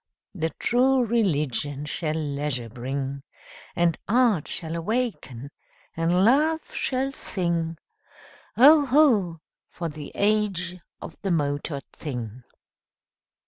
The True Religion shall leisure bring; And Art shall awaken and Love shall sing: Oh, ho! for the age of the motored thing!